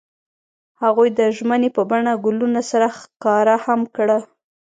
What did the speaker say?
هغوی د ژمنې په بڼه ګلونه سره ښکاره هم کړه.